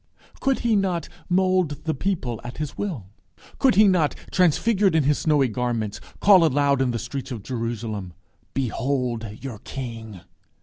Could he not mould the people at his will? Could he not, transfigured in his snowy garments, call aloud in the streets of Jerusalem, "Behold your King?"